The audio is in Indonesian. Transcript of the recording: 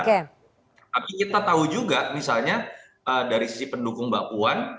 tapi kita tahu juga misalnya dari sisi pendukung mbak puan